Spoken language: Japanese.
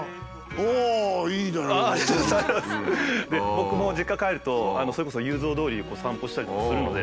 僕も実家帰るとそれこそ雄三通りを散歩したりとかするので。